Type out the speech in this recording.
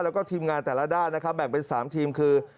แล้วก็ทีมงานแต่ละด้านนะครับแบ่งเป็น๓ทีมคือ